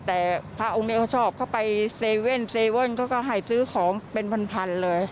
แต่พระองค์นี้เขาชอบเข้าไปเซเว่นเซเว่นเขาก็ให้ซื้อของเป็นพันเลย